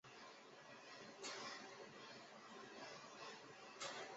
宁桥郡是越南湄公河三角洲芹苴市中心的一个郡。